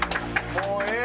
もうええ